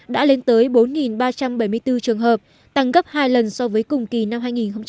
đã lên tới bốn ba trăm bảy mươi bốn trường hợp tăng gấp hai lần so với cùng kỳ năm hai nghìn một mươi tám